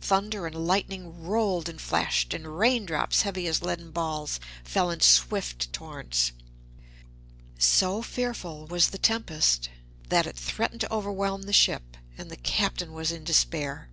Thunder and lightning rolled and flashed, and raindrops heavy as leaden balls fell in swift torrents. So fearful was the tempest that it threatened to overwhelm the ship, and the Captain was in despair.